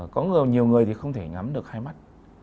có người nhiều người thì không thể ngắm được hai mắt